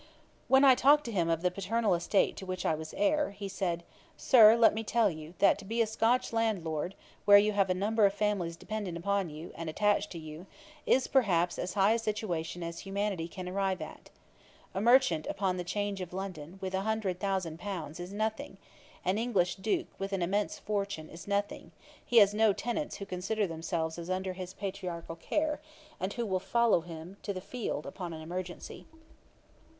When I talked to him of the paternal estate to which I was heir, he said, 'Sir, let me tell you, that to be a Scotch landlord, where you have a number of families dependent upon you, and attached to you, is, perhaps, as high a situation as humanity can arrive at. A merchant upon the 'Change of London, with a hundred thousand pounds, is nothing; an English Duke, with an immense fortune, is nothing; he has no tenants who consider themselves as under his patriarchal care, and who will follow him to the field upon an emergency.'